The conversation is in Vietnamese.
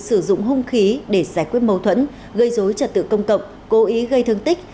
sử dụng hung khí để giải quyết mâu thuẫn gây dối trật tự công cộng cố ý gây thương tích